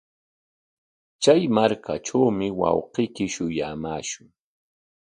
Chay markatrawmi wawqiyki shuyamaashun.